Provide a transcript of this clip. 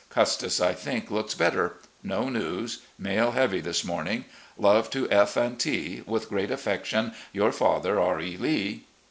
Custis, I think, looks better. No news. Mail heavy this morning. Love to F and T . With great affection, " Your father, "R. E. Lee.